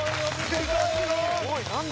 すごい何で？